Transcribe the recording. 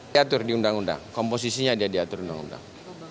diatur di undang undang komposisinya dia diatur undang undang